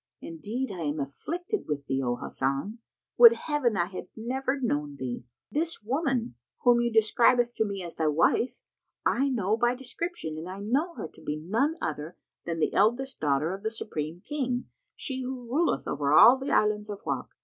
Indeed I am afflicted with thee, O Hasan! Would Heaven I had never known thee! This woman, whom thou describest to me as thy wife, I know by description and I know her to be none other than the eldest daughter of the Supreme King, she who ruleth over all the Islands of Wak.